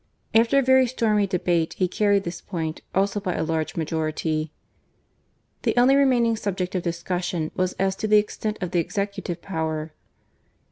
After a very stormy debate he carried this point also by a large majority. The only remaining subject of discussion was as to the extent of the Executive power.